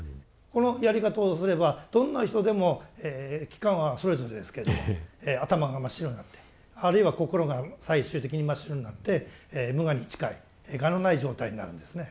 このやり方をすればどんな人でも期間はそれぞれですけども頭が真っ白になってあるいは心が最終的に真っ白になって無我に近い我のない状態になるんですね。